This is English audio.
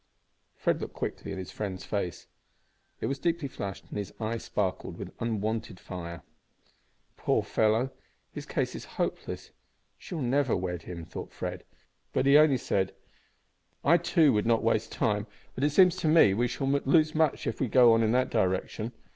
Fred looked quickly in his friend's face. It was deeply flushed, and his eye sparkled with unwonted fire. "Poor fellow! his case is hopeless; she will never wed him," thought Fred, but he only said, "I, too, would not waste time, but it seems to me we shall lose much if we go in that direction.